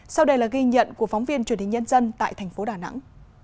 sau đây là ghi nhận của phóng viên truyền hình nhân dân tại thành phố đà nẵng